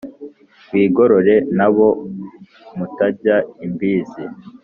wigorore n'abo mutajya imbizi